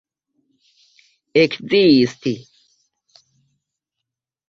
ekzisti